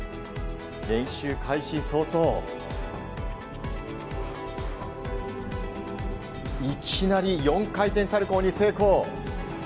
練習開始早々いきなり４回転サルコウに成功。